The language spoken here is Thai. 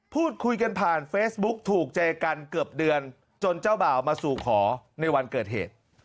พูดคุยกันผ่านเฟซบุ๊กถูกใจกันเกือบเดือนจนเจ้าบ่าวมาสู่ขอในวันเกิดเหตุ